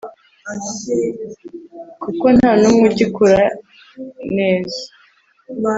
kuko nta n'umwe ugikora neza